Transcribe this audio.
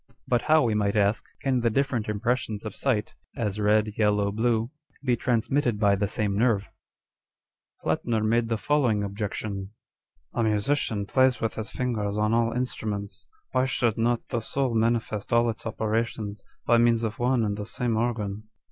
But how, we might ask, can the different impressions of sight â€" as red, yellow, blue â€" be transmitted by the same nerve ?" Plattner made the following objection : â€" ' A musician plays with his fingers on all instruments ; why should not the soul manifest all its operations by means of one and the same organ